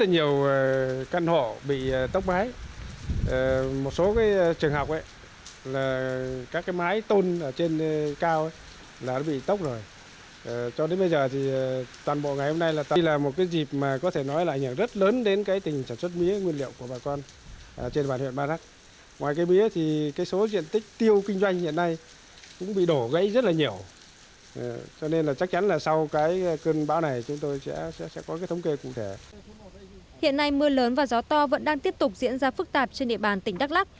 hiện nay mưa lớn và gió to vẫn đang tiếp tục diễn ra phức tạp trên địa bàn tỉnh đắk lắc